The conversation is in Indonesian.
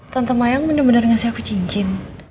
tante mayang benar benar ngasih aku cincin